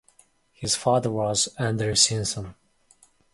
His father was Andrew Simson.